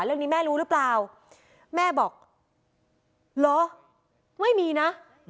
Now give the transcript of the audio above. เรื่องนี้แม่รู้หรือเปล่าแม่บอกเหรอไม่มีนะ